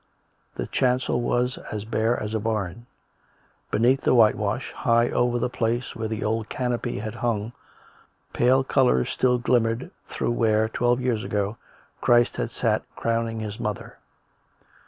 The chancel was as bare as a barn; beneath the whitewash, high over the place where the old canopy had hung, pale colours still glim mered through where, twelve years ago, Christ had sat crowning His Mother.